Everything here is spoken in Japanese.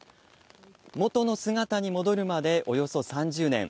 元の姿に戻るまで、およそ３０年。